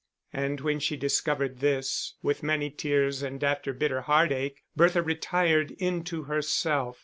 And when she discovered this, with many tears and after bitter heartache, Bertha retired into herself.